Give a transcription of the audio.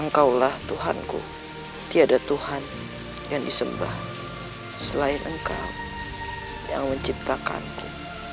engkaulah tuhanku tiada tuhan yang disembah selain engkau yang menciptakanku